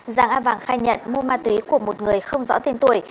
giang a vàng khai nhận mua ma túy của một người không rõ tiền tuổi